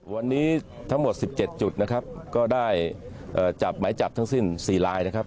วันนี้ทั้งหมดสิบเจ็ดจุดนะครับก็ได้เอ่อจับไหมจับทั้งสิ้นสี่รายนะครับ